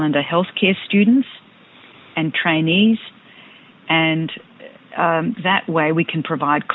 kesehatan tersebut adalah hal yang sangat penting